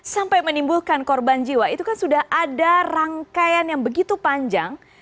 sampai menimbulkan korban jiwa itu kan sudah ada rangkaian yang begitu panjang